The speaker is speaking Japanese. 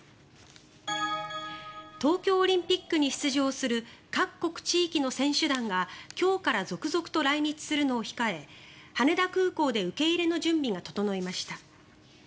東京オリンピックに出場する各国地域の選手団が今日から続々と来日するのを控え羽田空港で受け入れの準備が整いました。